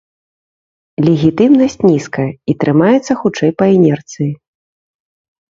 Легітымнасць нізкая, і трымаецца хутчэй па інерцыі.